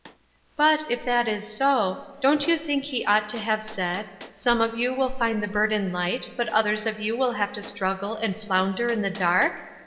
" But, if that is so, don't you think he ought to have said, ' Some of you will find the burden light, but others of you will have to struggle and flounder in the dark